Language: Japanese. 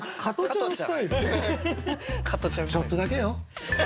ちょっとだけよ？